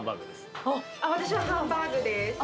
ハンバーグです。